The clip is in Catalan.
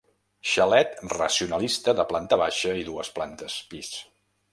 Xalet racionalista de planta baixa i dues plantes pis.